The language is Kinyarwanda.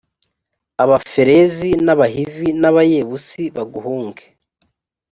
abaferizi n abahivi n abayebusi baguhunge